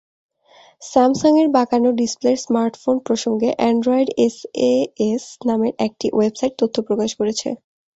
স্যামসাংয়ের বাঁকানো ডিসপ্লের স্মার্টফোন প্রসঙ্গে অ্যান্ড্রয়েডএসএএস নামের একটি ওয়েবসাইট তথ্য প্রকাশ করেছে।